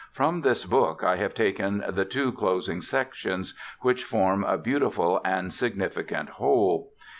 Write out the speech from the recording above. From this book I have taken the two closing sections, which form a beautiful and significant whole.